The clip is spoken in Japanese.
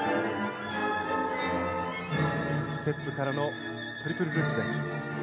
ステップからのトリプルルッツです。